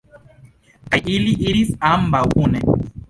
Kaj ili iris ambaŭ kune.